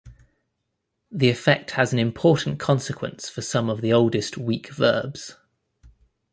The effect has an important consequence for some of the oldest weak verbs.